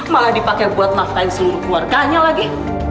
malah dipakai buat nafkahin seluruh keluarganya lagi